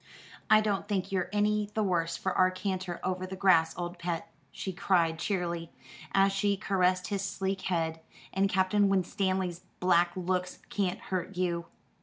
"I don't think you're any the worse for our canter over the grass, old pet," she cried cheerily, as she caressed his sleek head, "and Captain Winstanley's black looks can't hurt you."